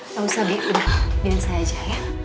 gak usah bibi biar saya aja ya